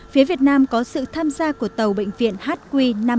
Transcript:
phía việt nam có sự tham gia của tàu bệnh viện hq năm trăm sáu mươi một